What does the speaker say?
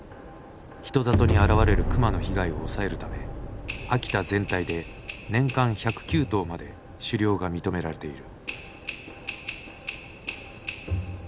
人里に現れる熊の被害を抑えるため秋田全体で年間１０９頭まで狩猟が認められている。